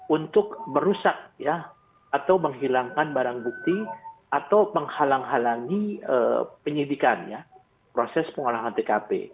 untuk merusak ya atau menghilangkan barang bukti atau menghalang halangi penyidikan ya proses pengolahan tkp